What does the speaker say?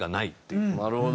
なるほど。